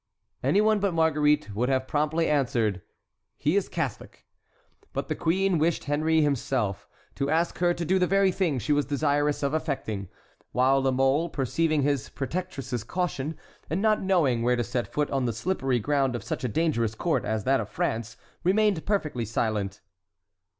Any one but Marguerite would have promptly answered: "He is a Catholic." But the queen wished Henry himself to ask her to do the very thing she was desirous of effecting; while La Mole, perceiving his protectress's caution and not knowing where to set foot on the slippery ground of such a dangerous court as that of France, remained perfectly silent.